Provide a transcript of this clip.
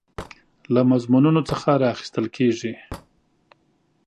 له مضمونونو څخه راخیستل کیږي.